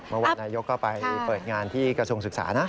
เมื่อวานนายกก็ไปเปิดงานที่กระทรวงศึกษานะ